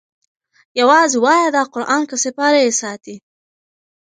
یوازی وایي دا قران که سیپارې ساتی